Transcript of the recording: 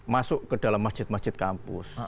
masuk ke dalam masjid masjid kampus